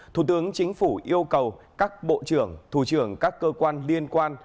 thủ tướng chính phủ yêu cầu các bộ trưởng thủ trưởng các cơ quan liên quan